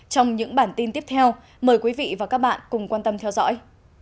trong những bản tin tiếp theo mời quý vị và các bạn cùng quan tâm theo dõi